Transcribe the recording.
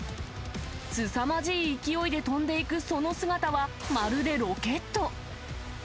すさまじい勢いで飛んでいくその姿は、まるでロケット。